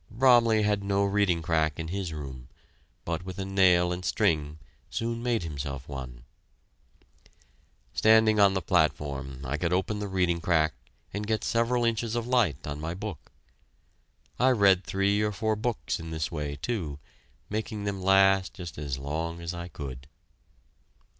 Bromley had no reading crack in his room, but with a nail and string soon made himself one. Standing on the platform, I could open the reading crack and get several inches of light on my book. I read three or four books in this way, too, making them last just as long as I could.